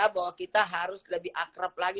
bahwa kita harus lebih akrab lagi